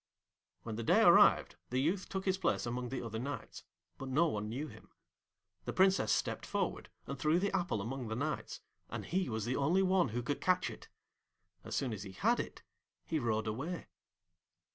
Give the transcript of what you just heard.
When the day arrived the youth took his place among the other Knights, but no one knew him. The Princess stepped forward and threw the apple among the Knights, and he was the only one who could catch it. As soon as he had it he rode away.